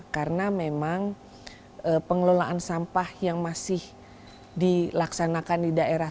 karena memang pengelolaan sampah yang masih dilaksanakan di daerah